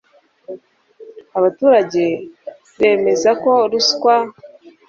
abaturage bemeza ko ruswa n